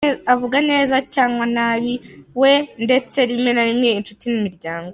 avuga neza cyangwa nabi mugenzi we ndetse rimwe na rimwe inshuti nimiryango.